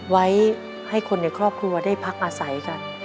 ไว้ให้คนในครอบครัวได้พักอาศัยกัน